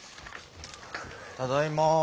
ただいま。